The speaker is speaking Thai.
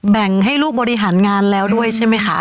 แบ่งให้ลูกบริหารงานแล้วด้วยใช่ไหมคะ